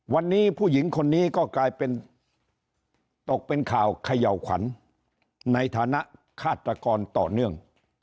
วันนี้ผู้หญิงคนนี้ก็กลายเป็นตกเป็นข่าวเขย่าขวัญในฐานะฆาตกรต่อเนื่อง